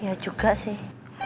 ya juga sih